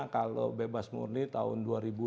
kalau bebas murni tahun dua ribu dua puluh